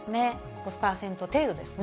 ５％程度ですね。